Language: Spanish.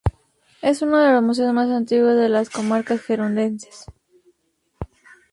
Es uno de los museos más antiguos de las comarcas gerundenses.